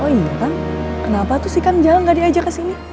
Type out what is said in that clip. oh iya kan kenapa tuh si kang jalang gak diajak ke sini